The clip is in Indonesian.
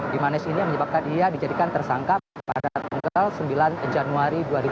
bimanes ini yang menyebabkan ia dijadikan tersangka pada tanggal sembilan januari dua ribu dua puluh